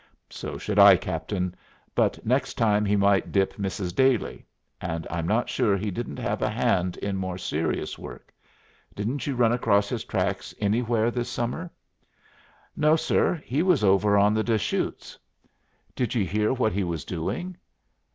"So should I, captain. But next time he might dip Mrs. Dailey. And I'm not sure he didn't have a hand in more serious work. Didn't you run across his tracks anywhere this summer?" "No, sir. He was over on the Des Chutes." "Did you hear what he was doing?"